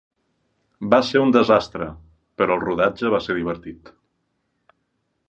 Va ser un desastre, però el rodatge va ser divertit.